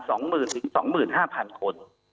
สองหมื่นถึงสองหมื่นห้าพันคน